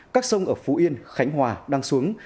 các sông ở phú yên khánh hòa đang xuống